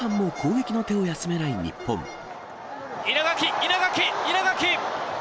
稲垣、稲垣、稲垣！